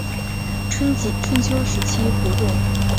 春秋时期活动于今甘肃省临洮县一带。